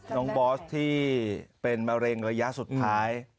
บอสที่เป็นมะเร็งระยะสุดท้าย